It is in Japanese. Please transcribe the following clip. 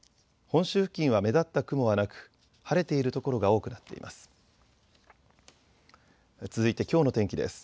本州付近は目立った雲はなく晴れている所が多くなっています。